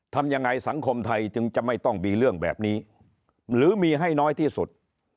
ทำยังไงสังคมไทยจึงจะไม่ต้องมีเรื่องแบบนี้หรือมีให้น้อยที่สุด